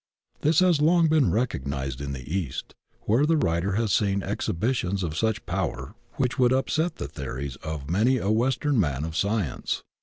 This has long been recognized in the East, where the writer has seen exhibitions of such power which would upset the theories of many a Western man of science.